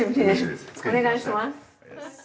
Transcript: お願いします。